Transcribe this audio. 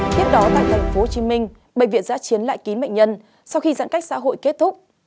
tiếp đó tại tp hcm bệnh viện giã chiến lại kín bệnh nhân sau khi giãn cách xã hội kết thúc